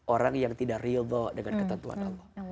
orang yang tidak ridho dengan ketentuan allah